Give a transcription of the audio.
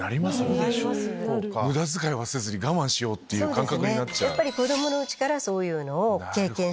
無駄遣いはせずに我慢しようって感覚になっちゃう。